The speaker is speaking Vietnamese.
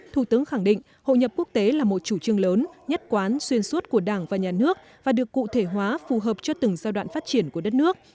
thủ tướng khẳng định hội nhập quốc tế là một chủ trương lớn nhất quán xuyên suốt của đảng và nhà nước và được cụ thể hóa phù hợp cho từng giai đoạn phát triển của đất nước